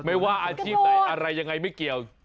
ไม่ว่าอาชีพไหนอะไรยังไงไม่เกี่ยว